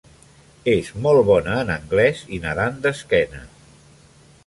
És molt bona en anglès i nadant d'esquena.